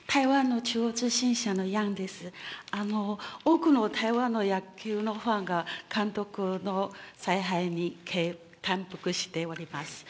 多くの台湾の野球のファンが、監督の采配に感服しております。